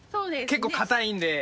結構硬いんで。